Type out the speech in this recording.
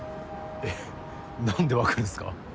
えっ何でわかるんすか？